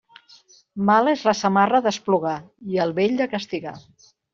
Mala és la samarra d'esplugar i el vell de castigar.